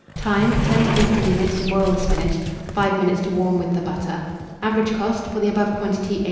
Time. 10 to 15 minutes to boil the spinach, 5 minutes to warm with the butter. Average cost for the above quantity, 8d.